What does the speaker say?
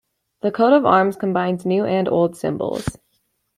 The coat of arms combines new and old symbols.